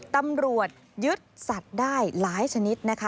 ตำรวจยึดสัตว์ได้หลายชนิดนะคะ